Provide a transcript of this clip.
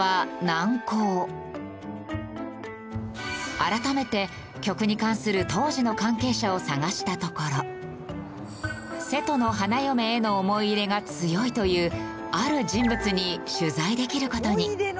改めて曲に関する当時の関係者を探したところ『瀬戸の花嫁』への思い入れが強いというある人物に取材できる事に。